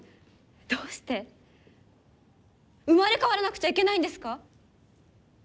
どうして生まれ変わらなくちゃいけないんですか？